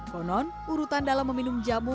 konon urutan dalam meminum jamu